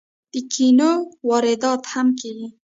د کینو واردات هم کیږي.